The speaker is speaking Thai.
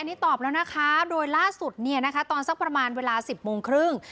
อันนี้ตอบแล้วนะคะโดยล่าสุดตอนสักประมาณเวลา๑๐โมงครึ่ง